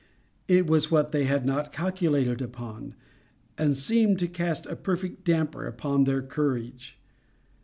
It was what they had not calculated upon and seemed to cast a perfect damper upon their courage.